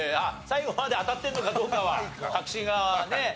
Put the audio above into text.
最後まで当たってるのかどうかは確信がね